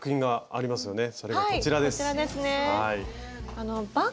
それがこちらです。